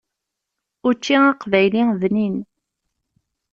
Učči aqbayli bnin.